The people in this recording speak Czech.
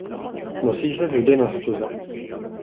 Nosí se vždy na stuze.